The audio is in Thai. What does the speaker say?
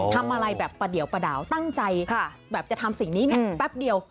ทำอะไรแบบประเดี่ยวประดาวตั้งใจแบบจะทำสิ่งนี้เนี่ยแป๊บเดียว